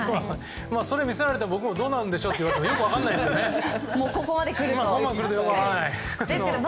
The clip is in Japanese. それを見せられてどうなんでしょうって言われてもよく分からないんですけどね。